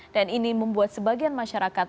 dan ini membuat sebagian masyarakat